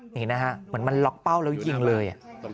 เหมือนมันล็อกเป้าแล้วยิงเลย